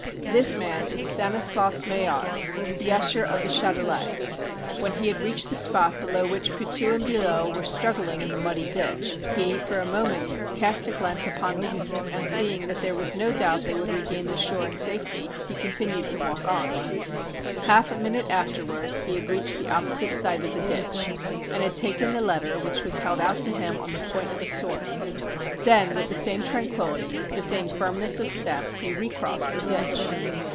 This man is Stanislaus Maillard, the usher of the Chatelet. When he had reached the spot below which Pitou and Billot were struggling in the muddy ditch, he for a moment cast a glance upon them, and see ing that there was no doubt they would regain the shore in safety, he continued to walk on. Half a minute after wards he had reached the opposite side of the ditch, and had taken the letter which was held out to him on the point of a sword. Then, with the same tranquillity, the same firmness of step, he recrossed the ditch.